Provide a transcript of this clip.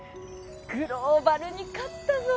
グローバルに勝ったぞ。